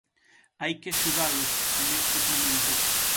Hai que axudalos, nestes momentos.